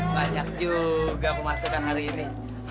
banyak juga aku masukkan hari ini